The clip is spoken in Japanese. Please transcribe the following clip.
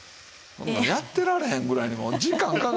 そんなんやってられへんぐらいにもう時間かかるんです。